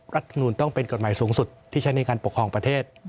รัฐมนุนต้องเป็นกฎหมายสูงสุดที่ใช้ในการปกครองประเทศ